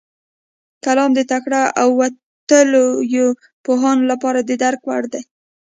کلام د تکړه او وتلیو پوهانو لپاره د درک وړ و.